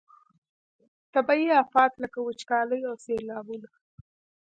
طبیعي آفات لکه وچکالي او سیلابونه.